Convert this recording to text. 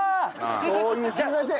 そういうすみません。